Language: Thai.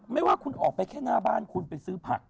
ไม่ว่าคุณออกไปแค่หน้าบ้านคุณไปซื้อผัก